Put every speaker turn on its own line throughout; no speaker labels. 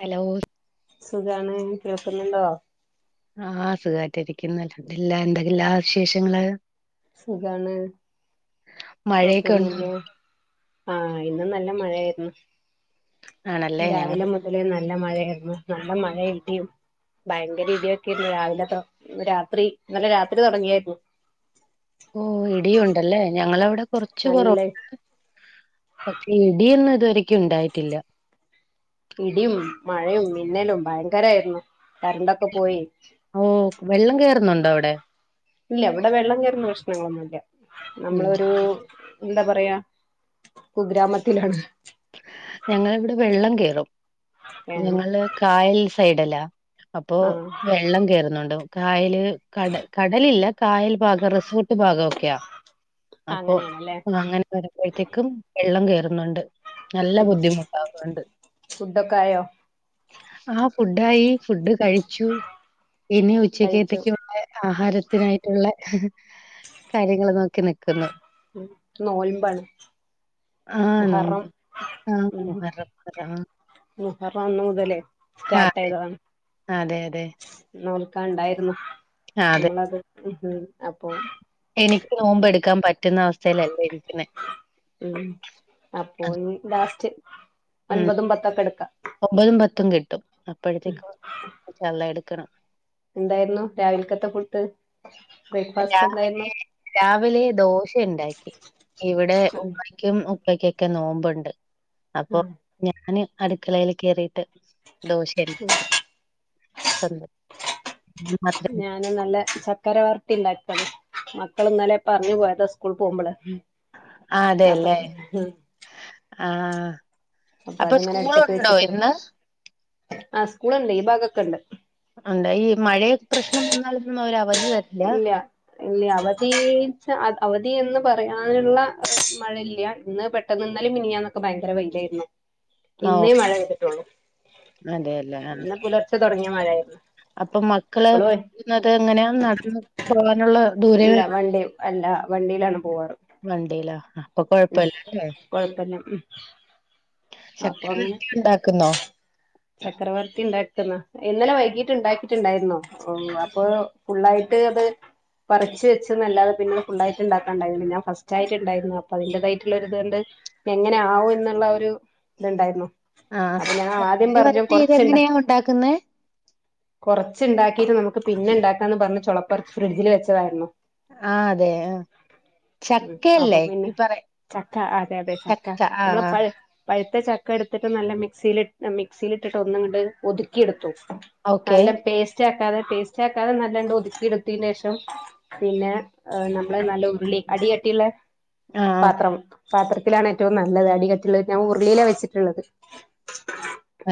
ഹലോയ്
സുഖാണ് കേൾക്കുന്നുണ്ടോ
ആഹ് സുഖായിട്ടിരിക്കുന്നു അൽഹംദുലില്ലാഹ് എന്താ വിശേഷങ്ങള്
സുഖാണ്
മഴയൊക്കെ ഉണ്ടോ
കൊഴപ്പൊന്നുല്ല ആ ഇന്ന് നല്ല മഴ ആയാര്ന്നു
ആണല്ലേ
രാവിലെ
ഞങ്ങള്
മുതലേ നല്ല മഴ ര്ന്നു നല്ല മഴേം ഇടീം ഭയങ്കര ഇതീയൊക്കേര്ന്നു രാവിലെ തൊ രാത്രി ഇന്നലെ രാത്രി തുടങ്ങിയേര്ന്നു
ഓ ഇടിയുംണ്ടല്ലേ ഞങ്ങള കൊറച്ച്
നല്ല
കൊറവ്ണ്ട് പക്ഷെ ഇടി ഒന്നു ഇതുവരക്കുണ്ടായിട്ടില്ല
ഇടിയും മഴയും മിന്നലും ഭയങ്കരായിര്ന്നു കരണ്ടൊക്കെ പോയി
ഹും വെള്ളം കേറുന്നുണ്ടോ അവ ടെ
ഇല്ല ഇവിടെ വെള്ളം കേറുന്ന പ്രശ്നങ്ങളൊന്നുല്ല
ഉം
നമ്മളൊരു
ഞങ്ങൾ
എന്താ പറ പറയാ കുഗ്രാമത്തിലാണ്
ഞങ്ങളിവിടെ വെള്ളം കേറും
ഏഹ്
ഞങ്ങള് കായൽ സൈഡല്ല അപ്പൊ
ആഹ്
വെള്ളം കയറുന്നുണ്ട് കായല് കടലില്ല കായൽ ഭാഗം റിസോർട്ട് ഭാഗം ഒക്കെയാ അപ്പൊ
അങ്ങനെയാണല്ലേ
അങ്ങനെ വരുമ്പോഴത്തേക്കും വെള്ളം കയറും ഇന്ന് ഉണ്ട് നല്ല ബുദ്ധിമുട്ട അതുകൊണ്ട്
ഫുഡൊക്കെ ആയോ
ഫുഡായി ഫുഡ് കഴിച്ചു ഇനി
കഴിച്ചു
ഉച്ചക്കത്തക്കുള്ള ആഹാരത്തിനായിട്ടുള്ള കാര്യങ്ങൾ നോക്കി നക്കുന്നു
നോൻപാണ്
ആ
മുഹറം
നോമ്പ്. ആ മുഹറം. മുഹറം.
മുഹറം അന്ന് മുതലേ
ആ
സ്റ്റാർട്ട
അതെ.
ആായതതാണ്
അതെ, അതെ.
നോൽക്കാ ഉണ്ടായിരുന്നു
ആ അതെ.
നമ്മളത് ം അപ്പൊ
എനിക്ക് നോമ്പ എടുക്കാൻ പറ്റുന്ന അവസ്ഥയിലല്ലേ ഇരിക്കുന്ന
ഉം അപ്പൊ ഇ ലാസ്റ്റ്
ഉം
ഒൻപതും പത്തൊക്കെ എടുക്കാം
ഒമ്പതും പത്തും കെട്ടി അപ്പോഴത്തേക്കും നല്ല എടു നിക്കണം
എന്തായിരുന്നു രാവിലക്കത്തെ ഫുഡ്‌
രാവിലെ ദോശ ഉണ്ടാക്കി ഇവിടെ
ആഹ്
ഉപ്പയ്ക്കും ഇപ്പക്കൊക്കെ നോമ്പുണ്ട് അപ്പൊ
ആഹ്
ഞാന് അടുക്കളയിൽ കയറിയിട്ട് സ്വന്തം. മാത്രം
ഞൻ നല്ല ശർക്കരവരട്ടി ഉണ്ടാക്കി മക്കള ഇന്നാലെ പറഞ്ഞു പോയതാ സ്കൂള പോകുമ്പോള് അപ്പ അ
ആ അപ്പൊ
അടുപ്പത്ത്
സ്കൂളുണ്ടോ
വെച്ചിട്ട്
ഇന്ന്
ആഹ് സ്കൂളുണ്ട് ഈ ഭാഗൊക്കെ ഉണ്ട്
എന്താ ഈ മഴയ പ്രശ്നം ന
ഇല്ല ഇല്ല അവധി ച്ച അവധി ന എന്ന് പറയാനുള്ള മഴയില്ല ഇന്ന് പെട്ടെന്ന് നിന്നാലും മിനിയാന്നൊക്കെ ഭയങ്കര വയയിലായിരുന്നു
ഓഹ്
ഇന്നേ മഴ പെയ്തിട്ടുള്ളൂ
അതെല്ലേ ആ
ഇന്ന് പുലർച്ചെ തുടങ്ങിയ മഴയായിരുന്നു
അപ്പൊ മക്കള്
ഇപ്പളോ
പറുന്നത് എങ്ങനെയ നട ഉ
ഇല്ല വണ്ടി അല്ല വണ്ടിയിലാണ് പോവാറ്
വണ്ടില ആ
ഉം കൊഴപ്പന്ന ഉ അപ്പൊ
ശർക്കര
അങ്ങനെ
വരട്ടി ഉണ്ടാക്കുന്നോ?
ചക്രവർത്തി ഉണ്ടാക്ക ഇന്നലെ വൈകീട്ട് ഉണ്ടാക്കിട്ടുണ്ടായിരുന്നോ ഓ അപ്പൊ ഫുള്ളായിട്ട് അത് പററിച്ച്ു വെച്ചല്ലാതെ പിന്നെ ഫുുള്ളായിട്ട് ഉണ്ടാക്കാണ്ടായിരുന്നു ഞാൻ ഫസ്റ്റ് ആയിട്ട്ുണ്ടായിരുന്നു അപ്പൊ അതിന്റേതായിട്ടുള്ള ഇതൊണ്ട് എങ്ങനെ ആകും എന്നുള്ള ഒരു ഇതുണ്ടായിരുന്നു
ആ
അപ്പൊ ഞാൻ ആദ്യം
എന
പറഞ്ഞു
വരട്ട് ഇതെങ്ങനെയാ ഉണ്ടാക്കുന്നത്
കുറച്ചുണ്ടാക്കിട്ട് നമുക്ക് പിന്നെ ഉണ്ടാക്കാന്ന് പറഞ്ഞ ചുളപ്പ ഫ്രിഡ്ജിൽ വെച്ചതായിരുന്നു
ആ അതെ ആ
ഉം അപ്പൊ
ചക്കയല്ലേ
പിന്നെ
ഈ പറ
ചക്ക അതെ അതെ
ചക്ക ആ
നമ്മള് പഴ പഴുത്ത ചക്ക എടുത്തിട്ട് നല്ല മിക്സിൽി് മിക്സിയില ഇട്ടിട്ട് ഒന്നും ഇ് ഒതുക്കിയെടുത്തു
ഓക്കെ
നല്ല പേസ്റ്റ് ആ തെ ടേസ്റ്റ് ആക്കാതെ നല്ലണ്ട് ഒതുക്കി എടുത്തിതിനന് ശേഷം പിന്നെ നമ്മള് നല്ല ഉരുളി അടിയട്ടിയുള്ള
ആഹ് ആഹ്
പാത്രം പാത്രത്തിലാണ് ഏറ്റവും നല്ലത് അടികുള്ള ഞാൻ ഉരുളിയില വെച്ചിട്ടുള്ളത്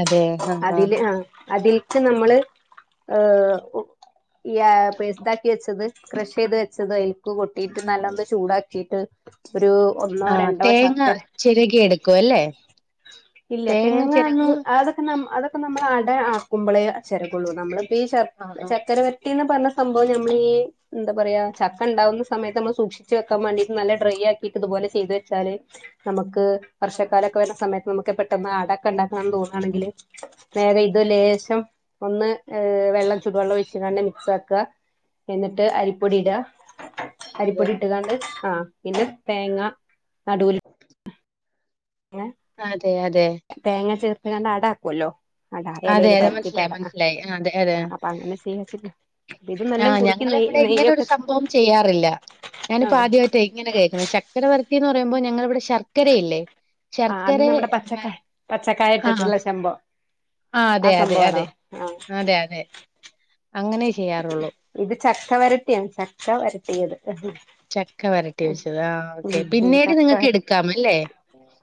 അതെ ആ ആ
അതിൽക്ക് നമ്മള് ഏ ഈ പേസ്താക്കി വെച്ചത് ക്രഷ് ചെയ്ത് വെച്ചത് അലക്ക് കൊട്ടിട്ട് നല്ലന്ന് ചൂടാക്കിട്ട്
ആ തേങ്ങ ചിരകി എടുക്കും അല്ലേ
ഇല്ല
തേങ്ങ
തേങ്ങന്നും
ചിരകും
അതൊക്കെ ന അതൊക്കെ അപ്പം നമ്മൾ അട ആക്കുമ്പോളേ ചിറകുള്ളൂ നമ്മള് ഈ
ആഹ് ആഹ്
ചക്കര വ കുട്ടീന്ന് പറഞ്ഞ സംഭവം നമ്മൾീഈ എന്താ പറയാ ചക്ക ഉണ്ടാവുന്ന സമയത്ത് നമ്മൾ സൂക്ഷിച്ചച്ച് വെക്കാൻ വേണ്ടിട്ട് നല്ല ഡ്രൈ ആക്കിട്ട് ഇതുപോലെ ചെയ്തു വെച്ചാല് നമുക്ക്
ആ,
വർഷക് സമയത്ത് നമുക്ക് പെട്ടെന്ന് അടക്കെ ഉണ്ടാക്കന്ന് തോന്നയാണെങ്കിൽ വേഗം ഇത് ലേശം ഒന്ന് ഏ വെള്ളം ചൂടുവെള്ളം ഒഴിച്ചച്ച് ക മിക്സ് ആക്കുക എന്നിട്ട് അരിപ്പൊടി ഇട
അതെ
അരിപ്പൊടി ഇട്ടതാണ്ട് ആ ഇത് തേങ്ങ നടൂൽ ങ്ങെ
അതെ അതെ.
തേങ്ങ ചേർ അപ്പൊ ഞാനാടാക്കുവല്ലോ
അതെ അതെ മനസിലായി മനസിലായി അതെ അതെ
ആ അപ്പൊ അങ്ങനെ ചെയ്യാച്ചിട്ട് ഇത് നല്ല
ആഹ്
കുറുക്കി നെയ്
ഞങ്ങളിവിടെ ഇങ്ങനെ ഒരു
നെയ്യൊക്കെ
സംഭവം ചെയ്യാറില്ല
ആ
ഞാനിപ്പോ ആദ്യമായിട്ടെ ഇങ്ങനെ കേക്ക ശക്കര വരട്ടി മ്പോ ഞങ്ങളിവിടെ ശർക്കരയില്ലേ
ആ അത്
ശർക്കര
നമ്മുടെ
നൽ
പച്ചക്കായ പച്ചക്കായ ഇട്ടിട്ടുള്ള ശഭം
ആ അതെ അതെ അതെ അതെ അതെ അങ്ങനെ ചെയ്യാറുള്ളൂ.
ഇത് ചക്ക വരട്ടിയാ ചക്ക വരട്ടിയത്
ചക്ക വരട്ടി വെച്ചത് ആഹ് ഓക്കെ പിന്നീട് നിങ്ങൾക്ക്
തക്കാർ
എടുക്കാമല്ലേ?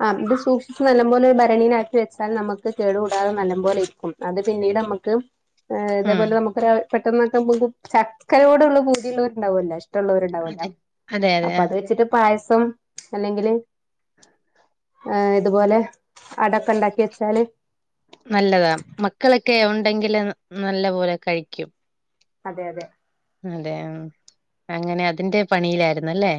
ആ ഇത് സൂക്ഷിിച്ചു നല്ല പോലെ ഭരണീലക്കി വ ൽ നമുക്ക് കേട കൂടാതെ നല്ല പോലെ ഇരിക്കും അത് പിന്നീട് നമുക്ക്
ഉം
ഇതേപോലെ നമുക്കൊര് പെട്ടെന്ന്ക്കുമ്പ ചക്കരയോടുള്ള പൂതിള്ള ഉണ്ടാവലോ [unintelligible] ണ്ടാവല്ലോ
അതെ അതെ അതെ
അപ്പൊ
ആഹ്
അത് വെച്ചിട്ട് പായസ സം അല്ലെങ്കില് ആഹ് ഇതുപോലെ അടൊക്കെ ഉണ്ടാക്കി വെച്ചാല്
നല്ലതാ മക്കളൊക്കെ ഒ ണ്ടെങ്കിൽ നല്ല പോലെ കഴിക്കും
അതെ അതെ
അതെ അങ്ങനെ അതിന്റെ പണിയിലായിരുന്നൂല്ലേ